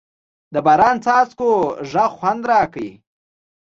د باران څاڅکو غږ خوند راکړ.